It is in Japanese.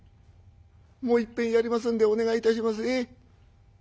もういっぺんやりますんでお願いいたします。